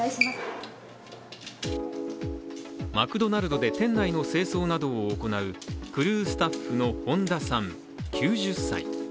マクドナルドで店内の清掃などを行うクルースタッフの本田さん、９０歳。